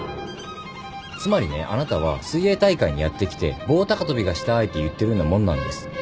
つまりねあなたは水泳大会にやって来て棒高跳びがしたいと言ってるようなもんなんです。